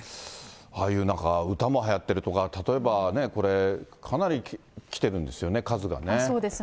ああいうなんか歌もはやってるとか、例えばこれ、かなり来てそうですね。